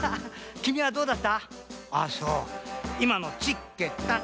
きみはどうだった？